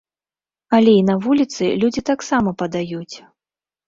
Але і на вуліцы людзі таксама падаюць.